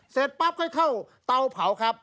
เสร็จปั๊บค่อยเข้าเตาเผาครับ